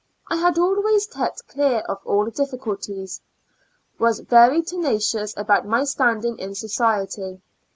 I had always kept clear of all difficulties ; was very tenacious about my standing in society.